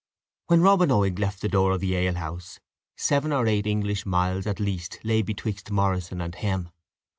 When Robin Oig left the door of the alehouse, seven or eight English miles at least lay betwixt Morrison and him.